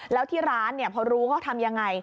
แล้วที่ร้านเนี่ยเพราะรู้เขาทำยังไง